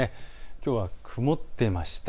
きょうは曇っていました。